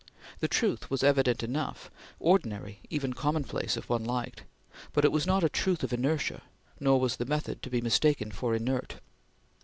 The truth was evident enough, ordinary, even commonplace if one liked, but it was not a truth of inertia, nor was the method to be mistaken for inert.